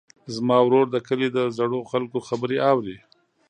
زما ورور د کلي د زړو خلکو خبرې اوري.